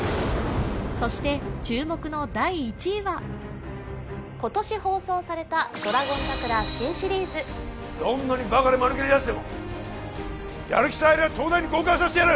そして注目の第１位は今年放送された「ドラゴン桜」新シリーズどんなにバカでマヌケなヤツでもやる気さえあれば東大に合格させてやる！